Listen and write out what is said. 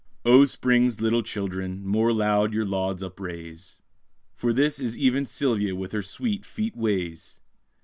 _O Spring's little children, more loud your lauds upraise, For this is even Sylvia with her sweet, feat ways!